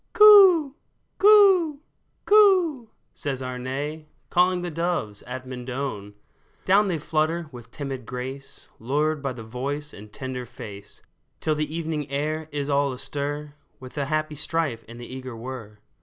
*' Coo ! coo ! coo !" says Arne, Calling the doves at Mendon! Down they flutter with timid grace, Lured by the voice and the tender face, Till the evening air is all astir With the happy strife and the eager whir.